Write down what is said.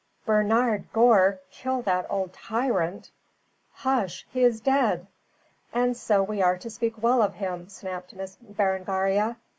Bernard Gore kill that old tyrant ?" "Hush! He is dead!" "And so we are to speak well of him," snapped Miss Berengaria.